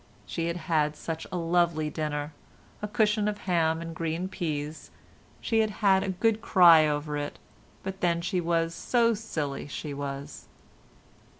She had had such a lovely dinner—a cushion of ham and green peas. She had had a good cry over it, but then she was so silly, she was.